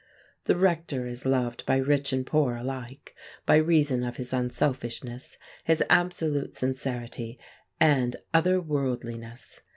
The Rector is loved by rich and poor alike, by reason of his unselfishness, his absolute sincerity and "other worldliness."